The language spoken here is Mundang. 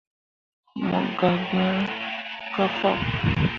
Mo gah gn kah fat.